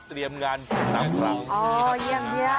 เตรียมงานสำหรับเรา